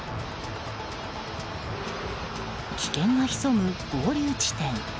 危険が潜む合流地点。